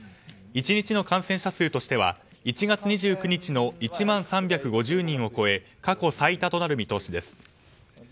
１日の感染者数としては１月２９日の１万３５０人を超え過去最多となる見通しです。